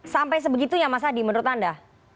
sampai sebegitunya mas adi menurut anda